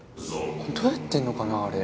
どうやってんのかなあれ。